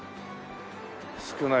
少ない